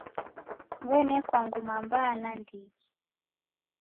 W'enekwa nguma mbaa naindighi.